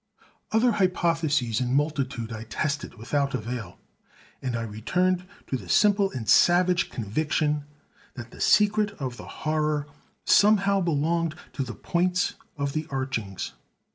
Other hypotheses in multitude I tested without avail; and I returned to the simple and savage conviction that the secret of the horror somehow belonged to the points of the archings.